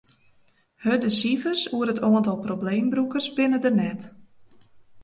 Hurde sifers oer it oantal probleembrûkers binne der net.